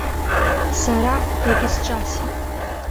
Сара дагьысҿасит.